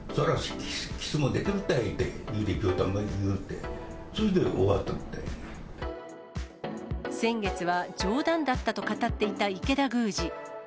キスもできるたいと冗談で言いよって、先月は冗談だったと語っていた池田宮司。